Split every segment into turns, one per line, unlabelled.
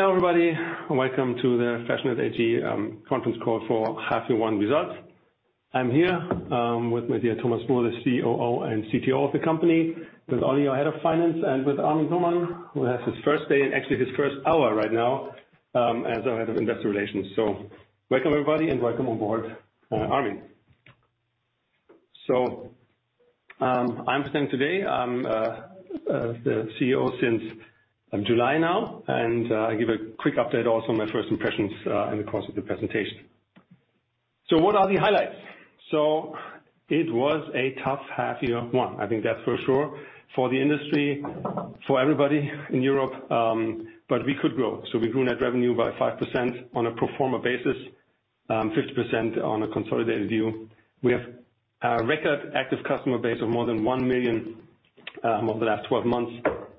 Hello, everybody, and welcome to the Fashionette AG conference call for half-year one results. I'm here with my dear Thomas Buhl, the COO and CTO of the company, with Oliver, Head of Finance, and with Armin Blohmann, who has his first day, and actually his first hour right now as our Head of Investor Relations. Welcome, everybody, and welcome on board, Armin. I'm standing today, CEO since July now, and I give a quick update, also my first impressions in the course of the presentation. What are the highlights? It was a tough half-year one. I think that's for sure, for the industry, for everybody in Europe. We could grow. We grew net revenue by 5% on a pro forma basis, 50% on a consolidated view. We have a record active customer base of more than one million over the last 12 months.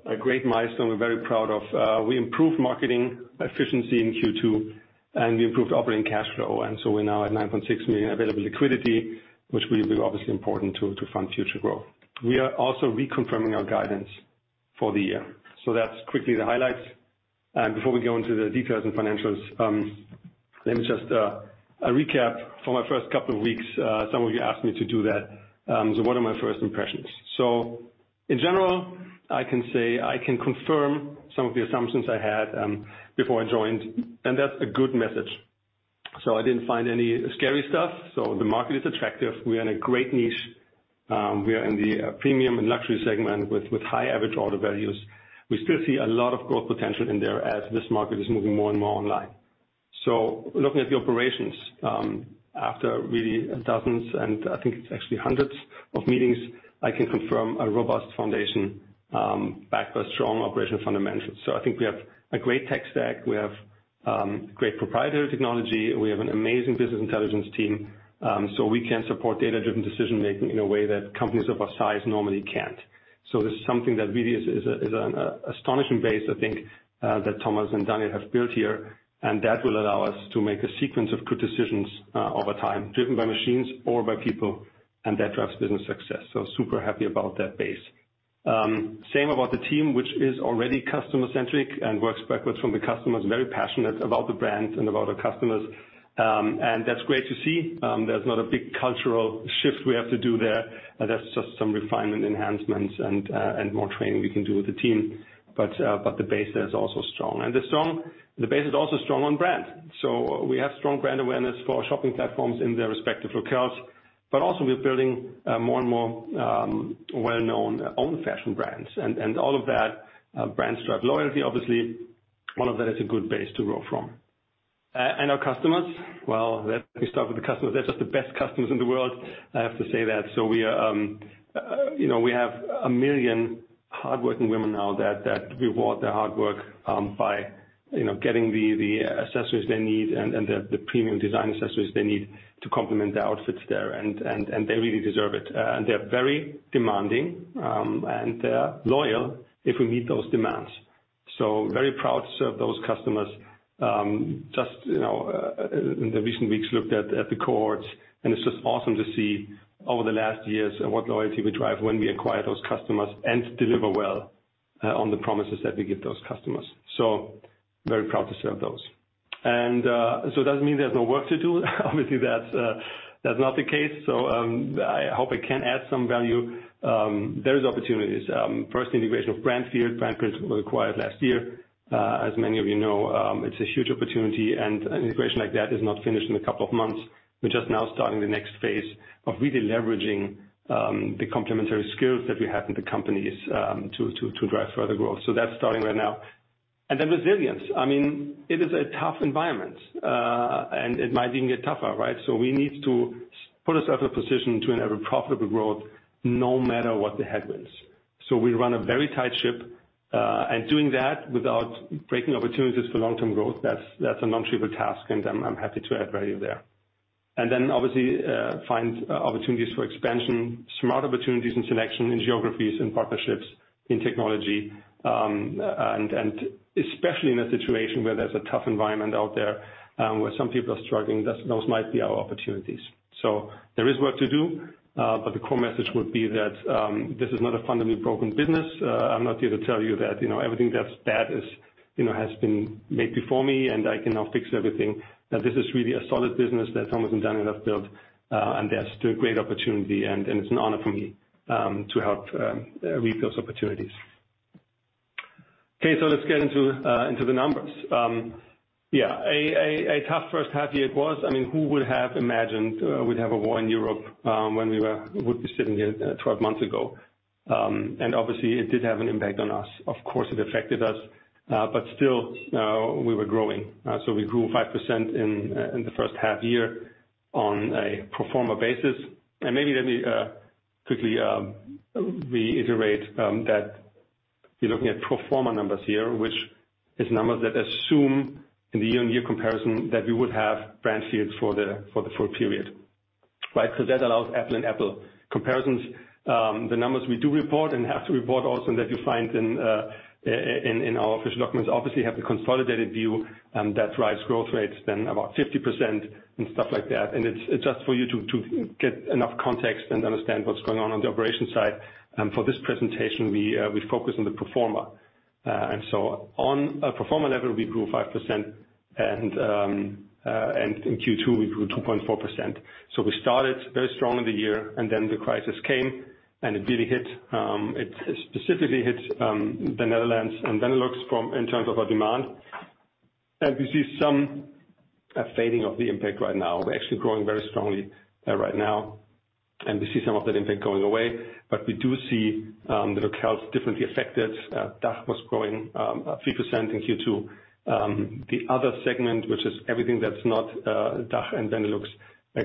A great milestone we're very proud of. We improved marketing efficiency in Q2, and we improved operating cash flow. We're now at 9.6 million available liquidity, which will be obviously important to fund future growth. We are also reconfirming our guidance for the year. That's quickly the highlights. Before we go into the details and financials, let me just a recap for my first couple of weeks. Some of you asked me to do that. What are my first impressions? In general, I can say I can confirm some of the assumptions I had before I joined, and that's a good message. I didn't find any scary stuff. The market is attractive. We are in a great niche. We are in the premium and luxury segment with high average order values. We still see a lot of growth potential in there as this market is moving more and more online. Looking at the operations, after really dozens and I think it's actually hundreds of meetings, I can confirm a robust foundation, backed by strong operational fundamentals. I think we have a great tech stack. We have great proprietary technology. We have an amazing business intelligence team, so we can support data-driven decision-making in a way that companies of our size normally can't. This is something that really is an astonishing base, I think, that Thomas and Daniel have built here, and that will allow us to make a sequence of good decisions over time, driven by machines or by people, and that drives business success. Super happy about that base. Same about the team, which is already customer-centric and works backwards from the customers, very passionate about the brand and about our customers. That's great to see. There's not a big cultural shift we have to do there. There's just some refinement enhancements and more training we can do with the team. The base there is also strong. The base is also strong on brand. We have strong brand awareness for our shopping platforms in their respective locales, but also we're building more and more well-known own fashion brands and all of that brands drive loyalty, obviously. All of that is a good base to grow from. Our customers, well, let me start with the customers. They're just the best customers in the world, I have to say that. We are, you know, we have one million hardworking women now that reward their hard work by, you know, getting the accessories they need and the premium design accessories they need to complement their outfits there. They really deserve it. They're very demanding and they are loyal if we meet those demands. Very proud to serve those customers. Just, you know, in the recent weeks looked at the cohorts, and it's just awesome to see over the last years what loyalty we drive when we acquire those customers and deliver well on the promises that we give those customers. Very proud to serve those. It doesn't mean there's no work to do. Obviously, that's not the case. I hope I can add some value. There is opportunities. First, integration of Brandfield. Brandfield we acquired last year. As many of you know, it's a huge opportunity and an integration like that is not finished in a couple of months. We're just now starting the next phase of really leveraging the complementary skills that we have in the companies to drive further growth. That's starting right now. Resilience. I mean, it is a tough environment, and it might even get tougher, right? We need to put ourselves in a position to have a profitable growth no matter what the headwinds. We run a very tight ship, and doing that without breaking opportunities for long-term growth, that's a non-trivial task, and I'm happy to add value there. Obviously, find opportunities for expansion, smart opportunities in selection, in geographies, in partnerships, in technology. Especially in a situation where there's a tough environment out there, where some people are struggling, that's, those might be our opportunities. There is work to do, but the core message would be that, this is not a fundamentally broken business. I'm not here to tell you that, you know, everything that's bad is, you know, has been made before me and I can now fix everything. That this is really a solid business that Thomas and Daniel have built, and there's still great opportunity and it's an honor for me to help reap those opportunities. Okay, let's get into the numbers. Yeah, a tough first half-year it was. I mean, who would have imagined we'd have a war in Europe when we would be sitting here 12 months ago. Obviously it did have an impact on us. Of course, it affected us, but still, we were growing. We grew 5% in the first half-year on a pro forma basis. Maybe let me quickly reiterate that we're looking at pro forma numbers here, which is numbers that assume in the year-on-year comparison that we would have Brandfield for the full period, right? That allows apples-to-apples comparisons. The numbers we do report and have to report also and that you find in our official documents obviously have the consolidated view that drives growth rates then about 50% and stuff like that. It's just for you to get enough context and understand what's going on on the operations side. For this presentation, we focus on the pro forma. On a pro forma level, we grew 5%. In Q2 we grew 2.4%. We started very strong in the year, and then the crisis came, and it really hit. It specifically hit the Netherlands and Benelux in terms of our demand. We see some fading of the impact right now. We're actually growing very strongly right now, and we see some of that impact going away. We do see the locales differently affected. DACH was growing 3% in Q2. The other segment, which is everything that's not DACH and Benelux,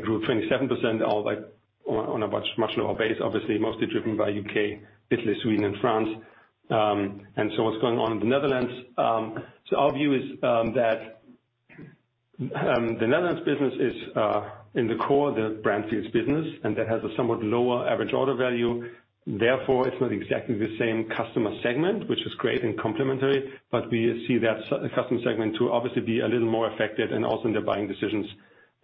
grew 27% all like on a much, much lower base, obviously mostly driven by U.K., Italy, Sweden and France. What's going on in the Netherlands, our view is that the Netherlands business is in the core of the Brandfield business, and that has a somewhat lower average order value. Therefore it's not exactly the same customer segment, which is great and complementary, but we see that customer segment to obviously be a little more affected and also in their buying decisions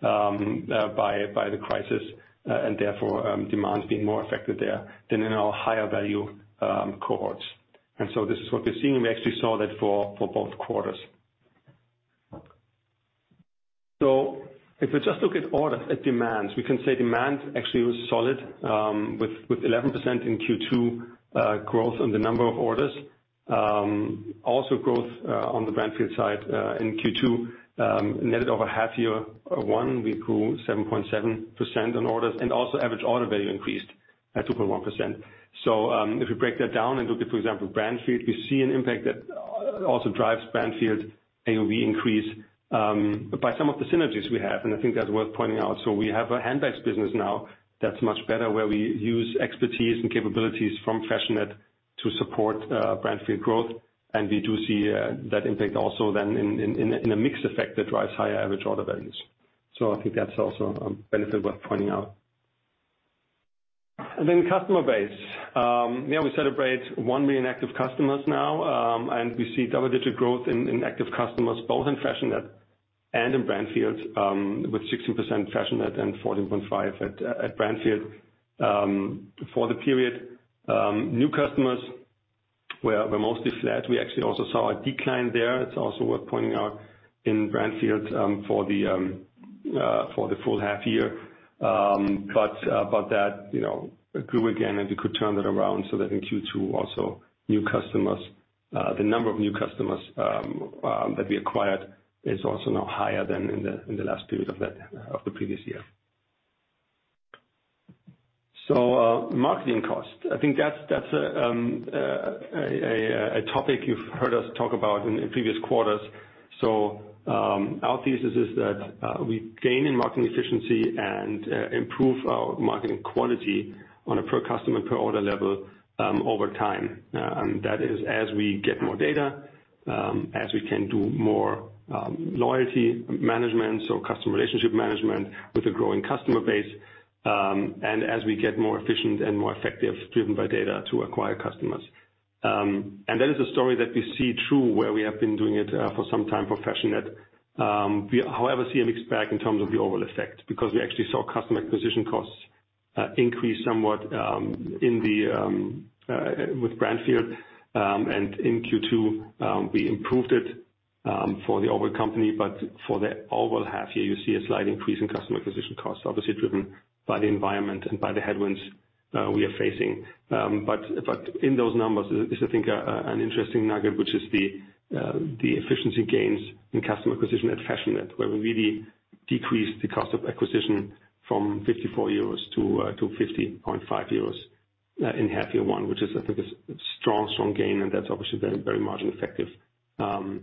by the crisis, and therefore demand being more affected there than in our higher value cohorts. This is what we're seeing. We actually saw that for both quarters. If we just look at demand, we can say demand actually was solid with 11% in Q2 growth in the number of orders. Also growth on the Brandfield side in Q2, net of half-year one, we grew 7.7% on orders and also average order value increased at 2.1%. If we break that down and look at, for example, Brandfield, we see an impact that also drives Brandfield AOV increase by some of the synergies we have. I think that's worth pointing out. We have a handbags business now that's much better where we use expertise and capabilities from Fashionette to support Brandfield growth. We do see that impact also then in a mix effect that drives higher average order values. I think that's also benefit worth pointing out. Then customer base. We celebrate one million active customers now, and we see double-digit growth in active customers both in Fashionette and in Brandfield, with 16% Fashionette and 14.5% at Brandfield, for the period. New customers were mostly flat. We actually also saw a decline there. It's also worth pointing out in Brandfield, for the full half-year. That, you know, grew again, and we could turn that around so that in Q2, also new customers, the number of new customers that we acquired is also now higher than in the last period of the previous year. Marketing costs. I think that's a topic you've heard us talk about in the previous quarters. Our thesis is that we gain in marketing efficiency and improve our marketing quality on a per customer, per order level over time. That is as we get more data, as we can do more loyalty management, so customer relationship management with a growing customer base, and as we get more efficient and more effective driven by data to acquire customers. That is a story that we see true where we have been doing it for some time for Fashionette. We, however, see a mixed bag in terms of the overall effect because we actually saw customer acquisition costs increase somewhat with Brandfield. in Q2, we improved it for the overall company, but for the overall half-year, you see a slight increase in customer acquisition costs, obviously driven by the environment and by the headwinds we are facing. But in those numbers is I think an interesting nugget, which is the efficiency gains in customer acquisition at Fashionette, where we really decreased the cost of acquisition from 54-50.5 euros in half-year one, which is, I think a strong gain, and that's obviously very margin-ffective as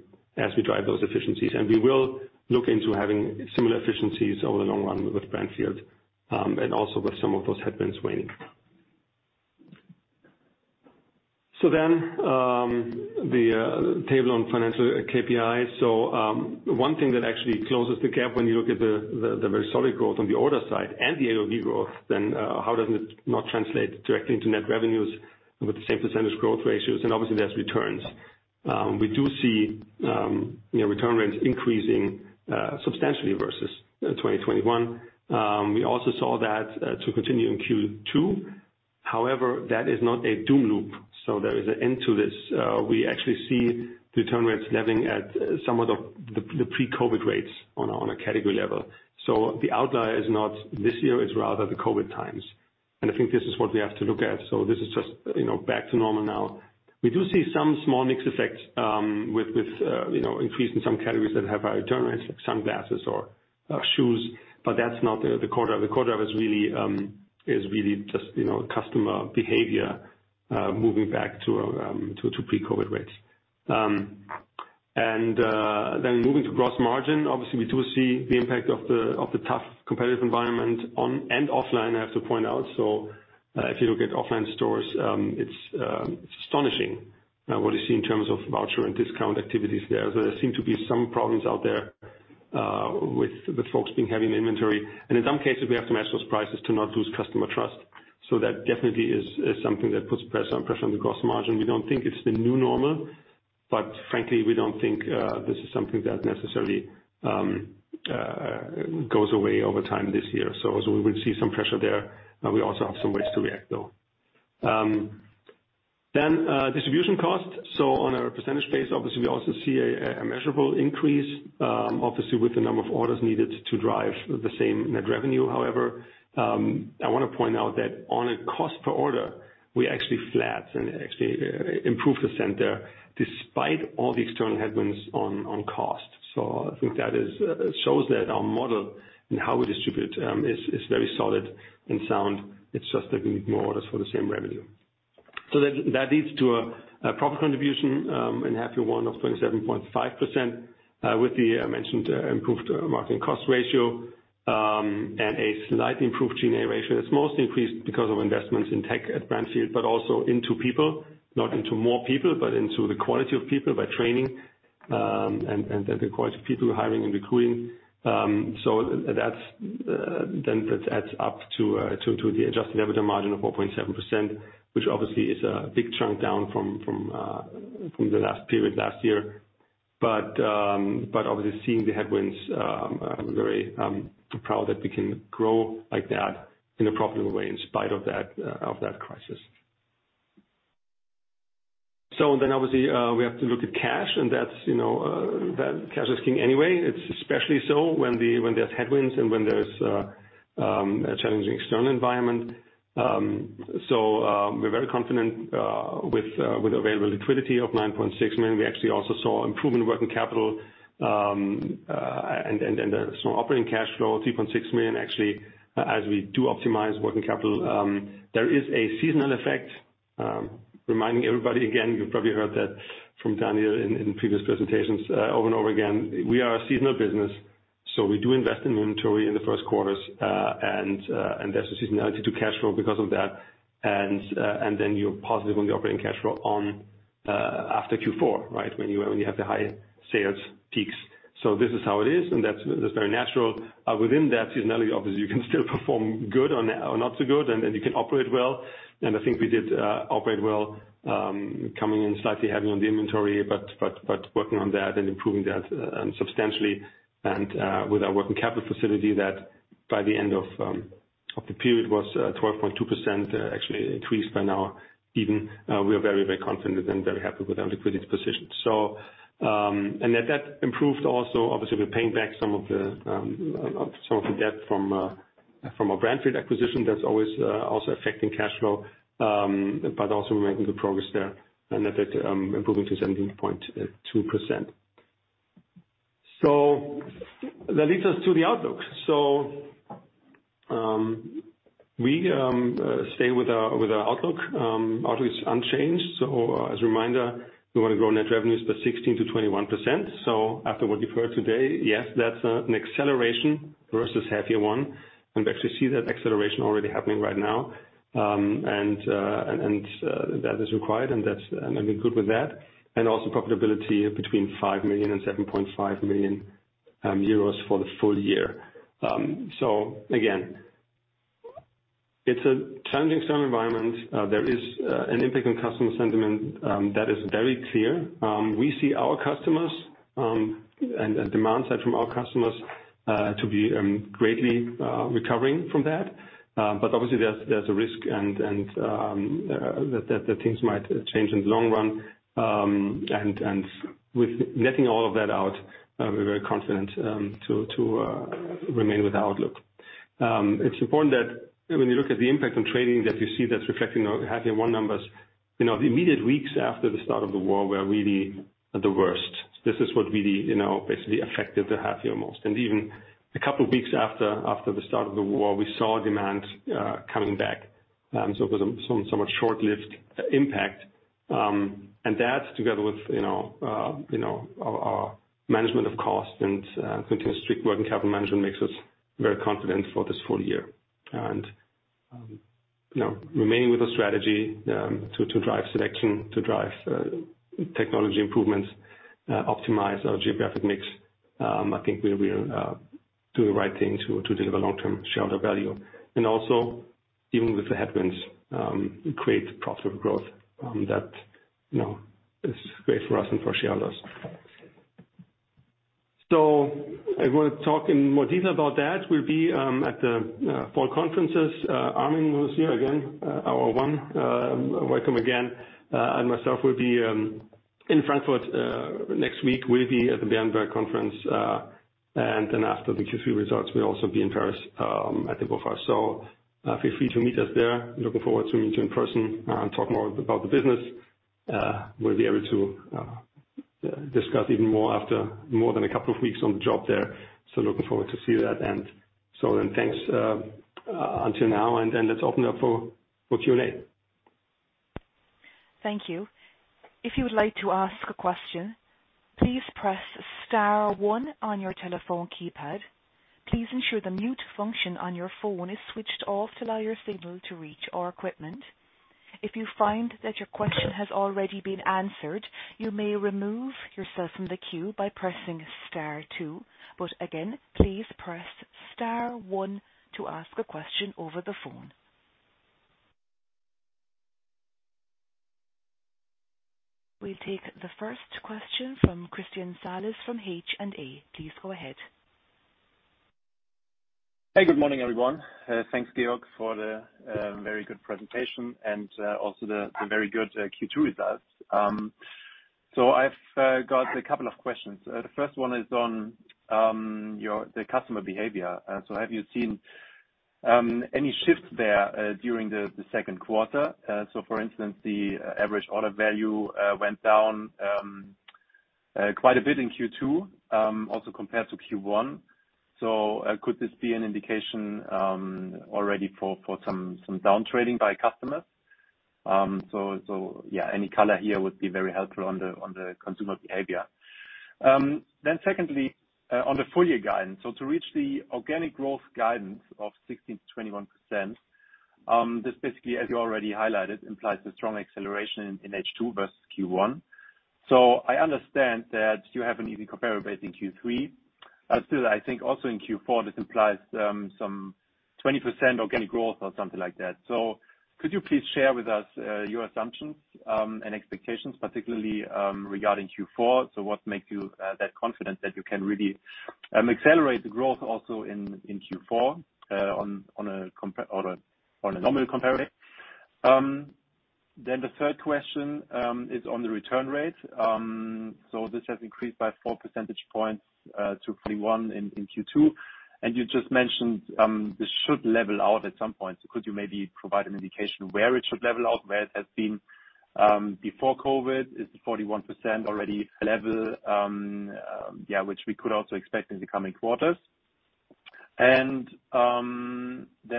we drive those efficiencies. We will look into having similar efficiencies over the long run with Brandfield and also with some of those headwinds waning. The table on financial KPIs. One thing that actually closes the gap when you look at the very solid growth on the order side and the AOV growth, then, how does it not translate directly into net revenues with the same percentage growth ratios? Obviously there's returns. We do see, you know, return rates increasing substantially versus 2021. We also saw that to continue in Q2. However, that is not a doom loop. There is an end to this. We actually see return rates leveling at some of the pre-COVID rates on a category level. The outlier is not this year, it's rather the COVID times. I think this is what we have to look at. This is just, you know, back to normal now. We do see some small mix effects, with you know, increase in some categories that have high return rates like sunglasses or shoes, but that's not the quarter. The quarter is really just you know, customer behavior moving back to pre-COVID rates. Moving to gross margin, obviously we do see the impact of the tough competitive environment online and offline, I have to point out. If you look at offline stores, it's astonishing what you see in terms of voucher and discount activities there. There seem to be some problems out there with folks being heavy in inventory. In some cases, we have to match those prices to not lose customer trust. That definitely is something that puts pressure on the gross margin. We don't think it's the new normal, but frankly, we don't think this is something that necessarily goes away over time this year. We will see some pressure there. We also have some ways to react though. Distribution costs. On a percentage basis, obviously, we also see a measurable increase, obviously, with the number of orders needed to drive the same net revenue. However, I wanna point out that on a cost per order, we actually flat and actually improved the center despite all the external headwinds on cost. I think that shows that our model and how we distribute is very solid and sound. It's just that we need more orders for the same revenue. That leads to a profit contribution in H1 of 27.5%, with the mentioned improved marketing cost ratio, and a slightly improved G&A ratio. That's mostly increased because of investments in tech at Brandfield, but also into people, not into more people, but into the quality of people by training, and the quality of people hiring and recruiting. That adds up to the adjusted EBITDA margin of 4.7%, which obviously is a big chunk down from the last period last year. But obviously, seeing the headwinds, we're very proud that we can grow like that in a profitable way in spite of that crisis. Obviously, we have to look at cash, and that's, you know, that cash is king anyway. It's especially so when there's headwinds and when there's a challenging external environment. We're very confident with available liquidity of 9.6 million. We actually also saw improvement in working capital and the small operating cash flow, 3.6 million, actually, as we do optimize working capital. There is a seasonal effect, reminding everybody again, you probably heard that from Daniel in previous presentations over and over again. We are a seasonal business, so we do invest in inventory in the first quarters and there's a seasonality to cash flow because of that. Then you're positive on the operating cash flow on, after Q4, right? When you have the high sales peaks. This is how it is, and that's very natural. Within that seasonality, obviously, you can still perform good or not so good, and then you can operate well. I think we did operate well, coming in slightly heavy on the inventory, but working on that and improving that substantially, and with our working capital facility that by the end of the period was 12.2%, actually increased by now even. We are very, very confident and very happy with our liquidity position. That improved also. Obviously, we're paying back some of the debt from our Brandfield acquisition, that's always also affecting cash flow, but also we're making good progress there, and that improving to 17.2%. That leads us to the outlook. We stay with our outlook. Outlook is unchanged. As a reminder, we wanna grow net revenues by 16%-21%. After what you've heard today, yes, that's an acceleration versus H1. We actually see that acceleration already happening right now. That is required, and that's and I've been good with that. Also, profitability between 5 million and 7.5 million euros for the full-year. Again, it's a challenging external environment. There is an impact on customer sentiment that is very clear. We see our customers and demand side from our customers to be greatly recovering from that. Obviously, there's a risk and that things might change in the long run. With netting all of that out, we're very confident to remain with our outlook. It's important that when you look at the impact on trading that, you see that's reflecting our H1 numbers. You know, the immediate weeks after the start of the war were really the worst. This is what really, you know, basically affected the H1 most. Even a couple weeks after the start of the war, we saw demand coming back. It was somewhat short-lived impact. That together with you know you know our management of cost and continued strict working capital management makes us very confident for this full-year. Remaining with the strategy to drive selection, to drive technology improvements, optimize our geographic mix, I think we will do the right thing to deliver long-term shareholder value. Also, even with the headwinds, create profitable growth that you know is great for us and for shareholders. I wanna talk in more detail about that. We'll be at the fall conferences. Armin was here again, our own. Welcome again. Myself will be in Frankfurt next week. We'll be at the Berenberg conference, and then after the Q3 results, we'll also be in Paris, I think with us. Feel free to meet us there. Looking forward to meeting you in person, and talk more about the business. We'll be able to discuss even more after more than a couple of weeks on the job there. Looking forward to see that. Thanks until now, and then let's open up for Q&A.
Thank you. If you would like to ask a question, please press star one on your telephone keypad. Please ensure the mute function on your phone is switched off to allow your signal to reach our equipment. If you find that your question has already been answered, you may remove yourself from the queue by pressing star two. Again, please press star one to ask a question over the phone. We'll take the first question from Christian Salis from H&A. Please go ahead.
Hey, good morning, everyone. Thanks, Georg, for the very good presentation and also the very good Q2 results. I've got a couple of questions. The first one is on the customer behavior. Have you seen any shifts there during the second quarter? For instance, the average order value went down quite a bit in Q2, also compared to Q1. Could this be an indication already for some down trading by customers? Yeah, any color here would be very helpful on the consumer behavior. Secondly, on the full-year guidance. To reach the organic growth guidance of 16%-21%, this basically, as you already highlighted, implies a strong acceleration in H2 versus Q1. I understand that you have an easy comparable base in Q3. Still, I think also in Q4, this implies some 20% organic growth or something like that. Could you please share with us your assumptions and expectations, particularly regarding Q4? What makes you that confident that you can really accelerate the growth also in Q4 on a nominal comparable rate? The third question is on the return rate. This has increased by four percentage points to 41 in Q2. You just mentioned this should level out at some point. Could you maybe provide an indication where it should level out, where it has been before COVID? Is the 41% already level, yeah, which we could also expect in the coming quarters?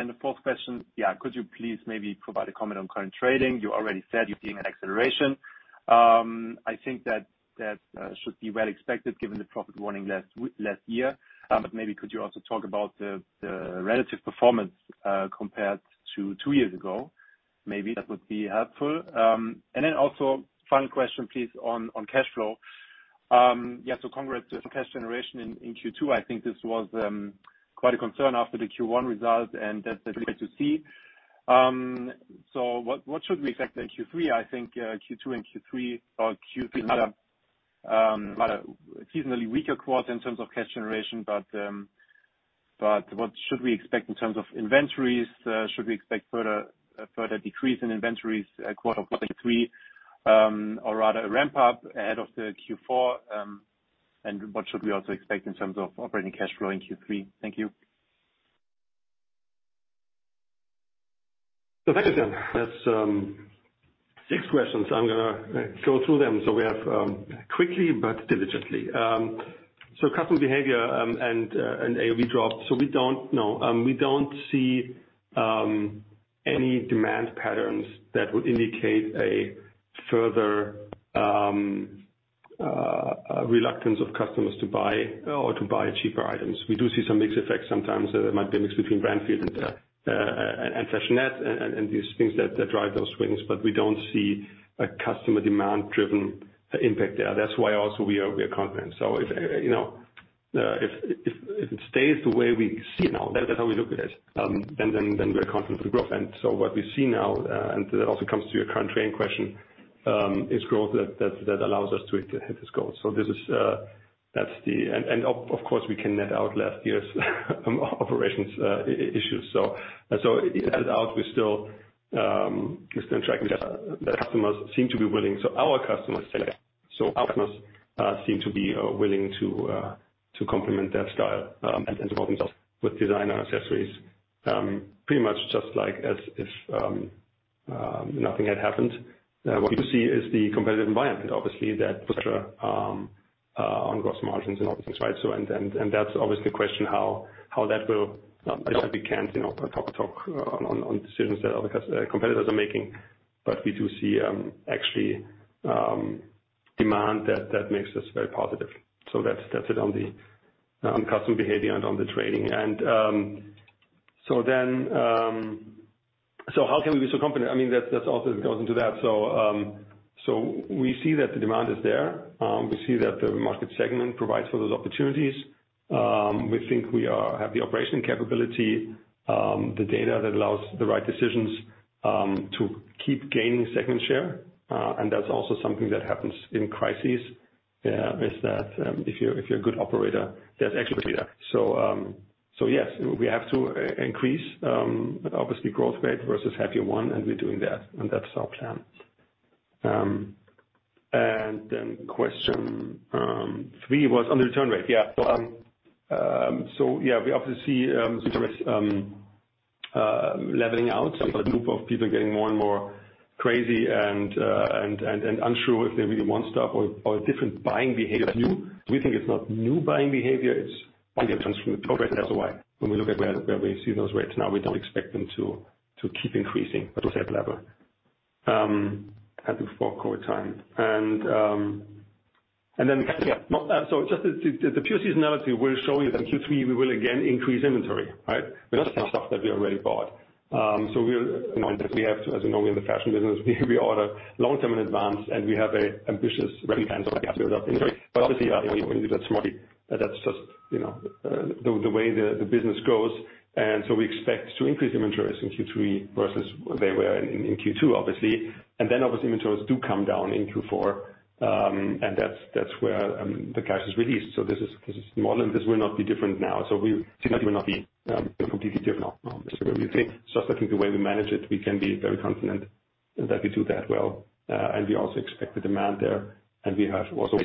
The fourth question. Yeah. Could you please maybe provide a comment on current trading? You already said you're seeing an acceleration. I think that should be well expected given the profit warning last year. Maybe could you also talk about the relative performance compared to two years ago? Maybe that would be helpful. Also, final question, please, on cash flow. Yeah, congrats to the cash generation in Q2. I think this was quite a concern after the Q1 results, and that's great to see. What should we expect in Q3? I think Q2 and Q3 or Q3 another another seasonally weaker quarter in terms of cash generation. What should we expect in terms of inventories? Should we expect further further decrease in inventories quarter of 2023 or rather a ramp up ahead of the Q4? What should we also expect in terms of operating cash flow in Q3? Thank you.
Thank you, Tim. That's six questions. I'm gonna go through them. We have quickly but diligently. Customer behavior and AOV dropped. We don't see any demand patterns that would indicate a further reluctance of customers to buy or to buy cheaper items. We do see some mixed effects sometimes. There might be a mix between Brandfield and Fashionette, and these things that drive those swings, but we don't see a customer demand-driven impact there. That's why also we are confident. If you know if it stays the way we see now, that's how we look at it, and then we're confident in growth. What we see now, and that also comes to your current trading question, is growth that allows us to hit this goal. Of course, we can net out last year's operational issues. We still tracking that. The customers seem to be willing. Our customers seem to be willing to complement their style and to complement themselves with designer accessories, pretty much just like as if nothing had happened. What you see is the competitive environment, obviously, that pressure on gross margins and all these things, right? That's obviously a question how that will obviously. We can't, you know, talk on decisions that other competitors are making. We do see actually demand that makes us very positive. That's it on the customer behavior and on the trading. How can we be so confident? I mean, that also goes into that. We see that the demand is there. We see that the market segment provides for those opportunities. We think we have the operational capability, the data that allows the right decisions to keep gaining market share. That's also something that happens in crises, is that if you're a good operator, there's equity there. Yes, we have to increase, obviously growth rate versus having one, and we're doing that, and that's our plan. Then question three was on the return rate. Yeah. Yeah, we obviously leveling out. Some of the group of people are getting more and more crazy and unsure if they really want stuff or different buying behavior is new. We think it's not new buying behavior. It's when we look at where we see those rates now, we don't expect them to keep increasing, but to stay at level at the before COVID time. Yeah. Just the pure seasonality, we're showing that in Q3, we will again increase inventory, right? We have stuff that we already bought. We're, you know, we have to, as you know, we're in the fashion business. We order long-term in advance, and we have an ambitious build-up inventory. Obviously, when you do that smartly, that's just, you know, the way the business goes. We expect to increase inventories in Q3 versus where they were in Q2, obviously. Obviously, inventories do come down in Q4, and that's where the cash is released. This will not be different now. We will not be completely different now. I think the way we manage it, we can be very confident that we do that well, and we also expect the demand there, and we have also.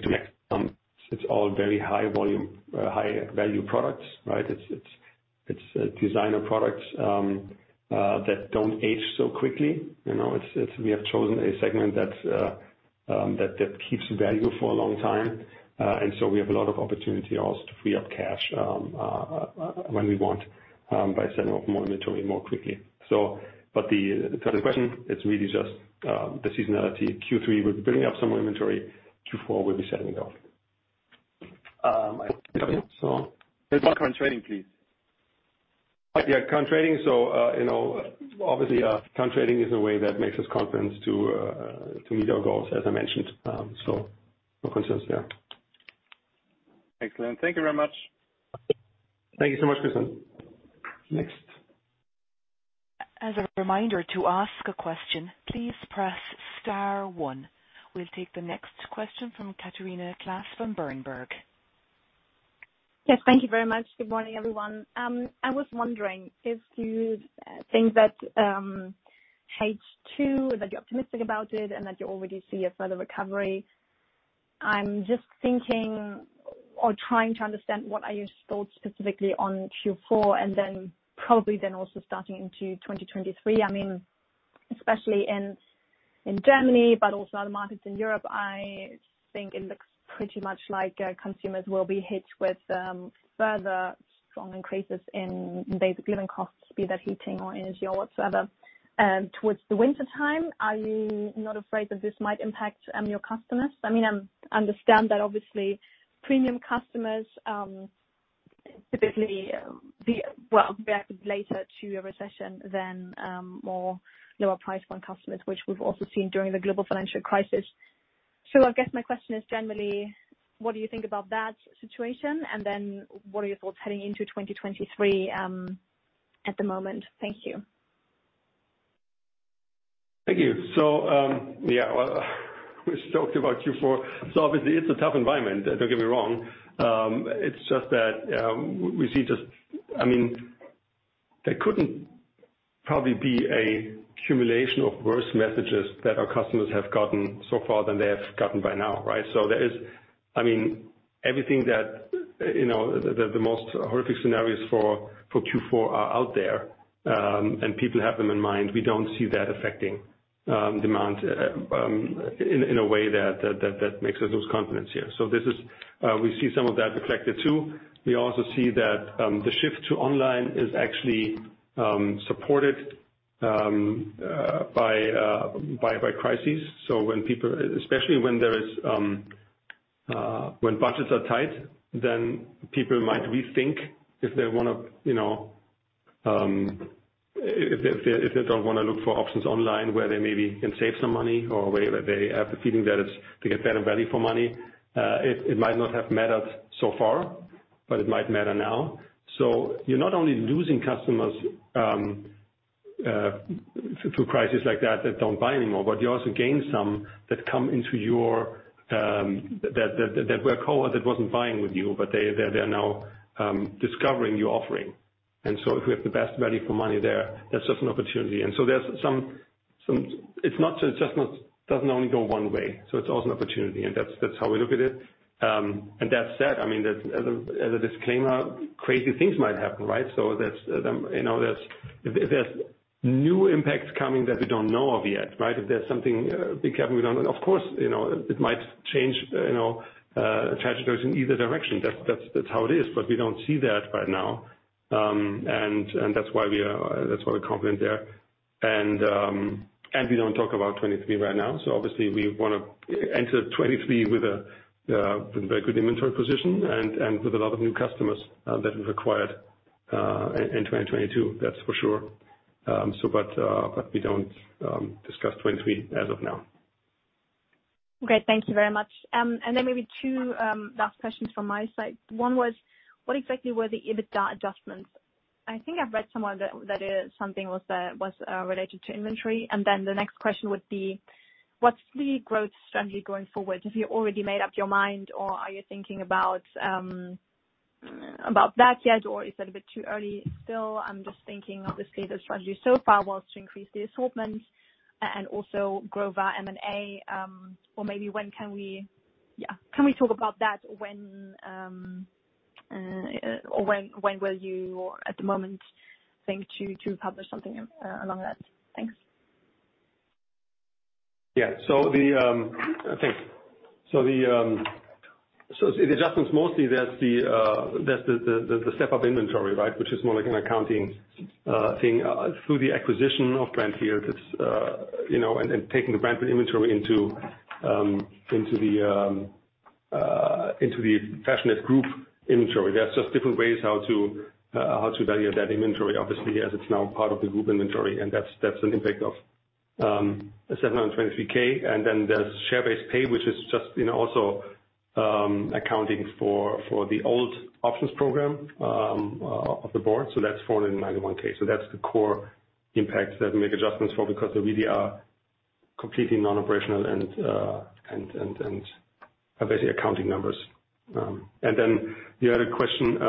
It's all very high-volume, high-value products, right? It's designer products that don't age so quickly. You know, we have chosen a segment that keeps value for a long time. We have a lot of opportunity also to free up cash when we want by selling off more inventory more quickly. The second question it's really just the seasonality. Q3, we're building up some more inventory. Q4, we'll be selling it off.
Current trading, please.
Yeah, current trading. You know, obviously, current trading is a way that makes us confidence to meet our goals, as I mentioned. No concerns there.
Excellent. Thank you very much.
Thank you so much, Christian. Next.
As a reminder to ask a question, please press star one. We'll take the next question from Catharina Claes from Berenberg.
Yes, thank you very much. Good morning, everyone. I was wondering if you think that H2, that you're optimistic about it, and that you already see a further recovery. I'm just thinking or trying to understand what are your thoughts specifically on Q4, and then probably then also starting into 2023. I mean, especially in Germany, but also other markets in Europe, I think it looks pretty much like consumers will be hit with further strong increases in basic living costs, be that heating, or energy, or whatsoever, towards the wintertime. Are you not afraid that this might impact your customers? I mean, understand that obviously, premium customers typically reacted later to a recession than more lower price point customers, which we've also seen during the global financial crisis. I guess my question is generally what do you think about that situation? What are your thoughts heading into 2023, at the moment? Thank you.
Thank you. We talked about Q4, so obviously it's a tough environment. Don't get me wrong. It's just that, I mean, there couldn't probably be an accumulation of worse messages that our customers have gotten so far than they have gotten by now, right? There is, I mean, everything that, you know, the most horrific scenarios for Q4 are out there, and people have them in mind. We don't see that affecting demand in a way that makes us lose confidence here. We see some of that reflected too. We also see that the shift to online is actually supported by crises. When people Especially when budgets are tight, then people might rethink if they wanna, you know, if they don't wanna look for options online where they maybe can save some money or where they have the feeling that it's they get better value for money. It might not have mattered so far, but it might matter now. You're not only losing customers through crisis like that that don't buy anymore, but you also gain some that come into your that were core that wasn't buying with you, but they are now discovering your offering. If we have the best value for money there, that's just an opportunity. It's not just, doesn't only go one way, so it's also an opportunity, and that's how we look at it. And that said, I mean, as a disclaimer, crazy things might happen, right? So that's, you know, there's, if there's new impacts coming that we don't know of yet, right? If there's something big happening, of course, you know, it might change, you know, trajectories in either direction. That's how it is. But we don't see that right now. And that's why we're confident there. And we don't talk about 2023 right now. Obviously, we wanna enter 2023 with a very good inventory position and with a lot of new customers that we've acquired in 2022, that's for sure. We don't discuss 2023 as of now.
Okay, thank you very much. Maybe two last questions from my side. One was, what exactly were the EBITDA adjustments? I think I've read somewhere that something was related to inventory. The next question would be, what's the growth strategy going forward? Have you already made up your mind or are you thinking about that yet or is that a bit too early still? I'm just thinking obviously the strategy so far was to increase the assortment and also grow via M&A. Can we talk about that, or when will you at the moment think to publish something along that? Thanks.
Yeah. The adjustments mostly that's the step-up inventory, right? Which is more like an accounting thing through the acquisition of Brandfield. It's you know and taking the Brandfield inventory into the Fashionette group inventory. There are just different ways how to value that inventory, obviously, as it's now part of the group inventory, and that's an impact of 723K. Then there's share-based payment, which is just you know also accounting for the old options program of the board. That's the core impacts that we make adjustments for because they really are completely non-operational and are basically accounting numbers. The other question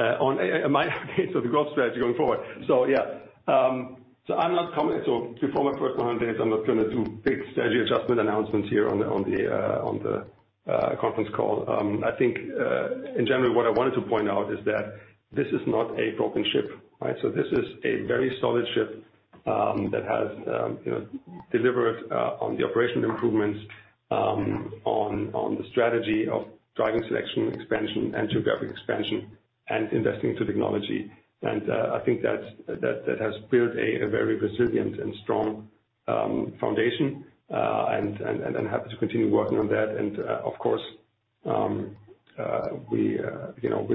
on my case for the growth strategy going forward. I'm not committing before my first 100 days. I'm not gonna do big strategy adjustment announcements here on the conference call. I think in general, what I wanted to point out is that this is not a broken ship, right? This is a very solid ship that has you know delivered on the operational improvements on the strategy of driving selection, expansion and geographic expansion and investing into technology. I think that has built a very resilient and strong foundation and happy to continue working on that. Of course, you know, we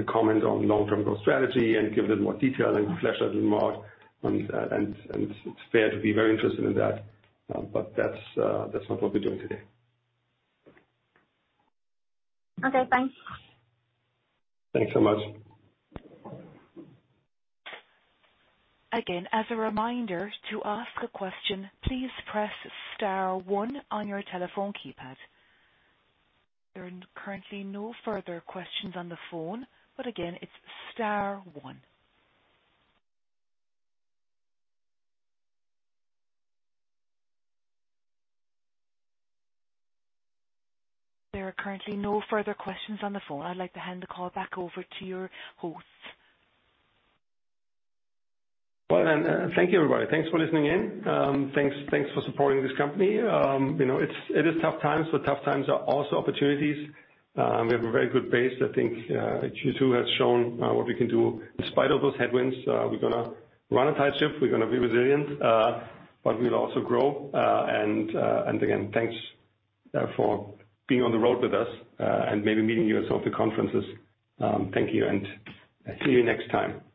comment on long-term growth strategy and give a little more detail and flesh out remarks on and it's fair to be very interested in that. That's not what we're doing today.
Okay, thanks.
Thanks so much.
Again, as a reminder to ask a question, please press star one on your telephone keypad. There are currently no further questions on the phone, but again, it's star one. There are currently no further questions on the phone. I'd like to hand the call back over to your hosts.
Well then, thank you, everybody. Thanks for listening in. Thanks for supporting this company. You know, it is tough times, but tough times are also opportunities. We have a very good base, I think, Q2 has shown what we can do in spite of those headwinds. We're gonna run a tight ship, we're gonna be resilient, but we'll also grow. And again, thanks for being on the road with us, and maybe meeting you at some of the conferences. Thank you, and see you next time. Goodbye.